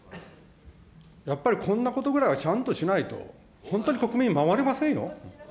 やっぱり、こんなことぐらいはちゃんとしないと、本当に国民、守れませんよ。